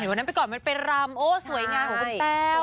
เห็นวันนั้นไปก่อนมันไปรำโอ้สวยงามหัวเป็นแต้ว